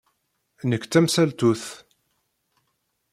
Nekk d tamsaltut.